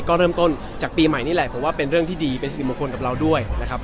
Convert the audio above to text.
ก็เริ่มต้นจากปีใหม่นี่แหละผมว่าเป็นเรื่องที่ดีเป็นสิริมงคลกับเราด้วยนะครับ